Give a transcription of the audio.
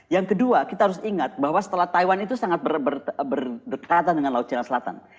yang kedua kita harus ingat bahwa setelah taiwan itu sangat berdekatan dengan laut cina selatan